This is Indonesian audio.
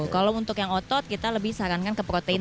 kalau untuk yang otot kita lebih sarankan ke protein